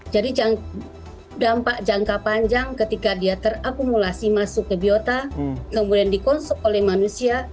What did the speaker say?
jadi dampak jangka panjang ketika dia terakumulasi masuk ke biota kemudian dikonsumsi oleh manusia